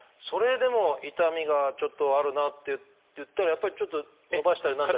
それでも痛みがちょっとあるなといったらやっぱりちょっと伸ばしたり。